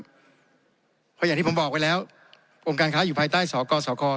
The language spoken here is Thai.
เพราะอย่างที่ผมบอกไปแล้วองค์การค้าอยู่ภายใต้สกสค